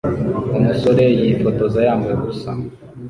Umusore yifotoza yambaye ubusa